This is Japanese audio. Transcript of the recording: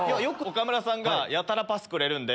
岡村さんがやたらパスくれるんで。